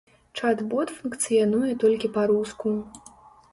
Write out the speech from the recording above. Чат-бот функцыянуе толькі па-руску.